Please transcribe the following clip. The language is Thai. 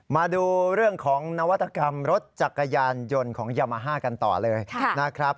มาดูเรื่องของนวัตกรรมรถจักรยานยนต์ของยามาฮ่ากันต่อเลยนะครับ